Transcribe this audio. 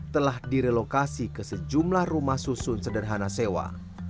telah direlokasi ke sejumlah rumah susun sederhana sewa